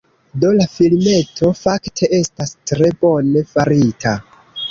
Do, la filmeto fakte estas tre bone farita